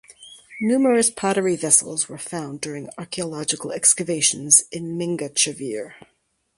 Numerous pottery vessels were found during archeological excavations in Mingachevir.